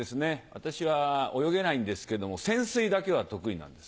私は泳げないんですけども潜水だけは得意なんです。